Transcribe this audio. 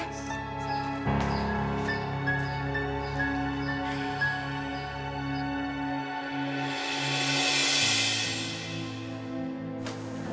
kok fotonya diturunin